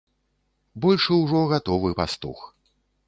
Большы ўжо гатовы пастух.